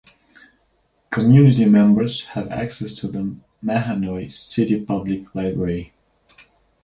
Community members have access to the Mahanoy City Public Library.